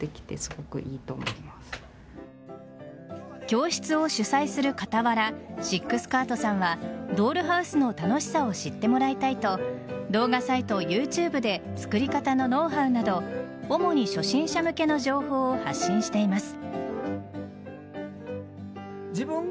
教室を主催する傍らシック・スカートさんはドールハウスの楽しさを知ってもらいたいと動画サイトＹｏｕＴｕｂｅで作り方のノウハウなど主に初心者向けの情報を発信しています。